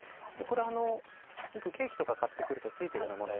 これよくケーキとか買ってくるとついてるようなもの